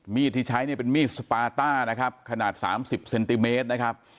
มีดที่ใช้เนี่ยเป็นมีดสปาต้านะครับขนาด๓๐เซนติเมตรนะครับ